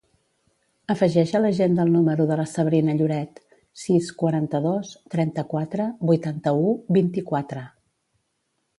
Afegeix a l'agenda el número de la Sabrina Lloret: sis, quaranta-dos, trenta-quatre, vuitanta-u, vint-i-quatre.